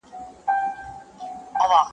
ښه ښه، نو زه یو فرمایش لرم.